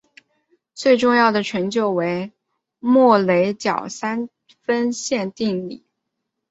最重要的成就为莫雷角三分线定理。